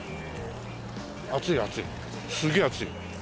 熱い熱いすげえ熱い。